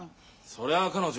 そりゃあ彼女。